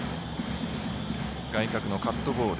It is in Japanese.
外角のカットボール。